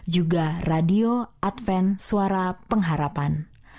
juga radio advent suara pengharapan